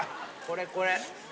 これこれ。